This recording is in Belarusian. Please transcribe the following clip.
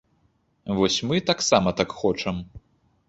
Вось мы таксама так хочам.